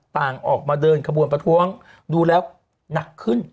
ต่างออกมาเดินขบวนประท้วงดูแล้วหนักขึ้น